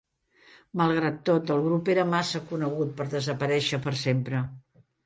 Malgrat tot, el grup era massa conegut per desaparèixer per sempre.